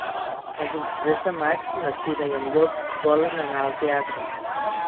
El vint-i-tres de maig na Cira i en Llop volen anar al teatre.